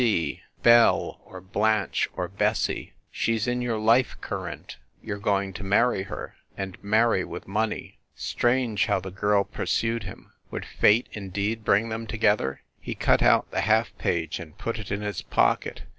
"B. C Belle, or Blanche, or Bessie she s in your life current you re going to marry her and marry with money." Strange how the girl pursued him! Would fate in deed bring them together? He cut out the half page and put it in his pocket.